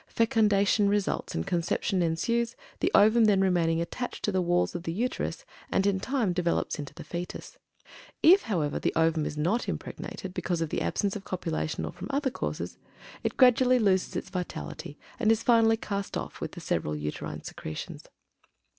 Fecundation results and conception ensues, the ovum then remaining attached to the walls of the Uterus, and in time develops into the foetus. If, however, the ovum is not impregnated, because of absence of copulation or from other causes, it gradually loses its vitality, and is finally cast off with the several uterine secretions.